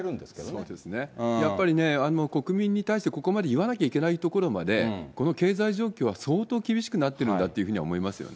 そうですね、やっぱりね、国民に対して、ここまで言わなきゃいけないところまで、この経済状況は相当厳しくなってるんだと思いますよね。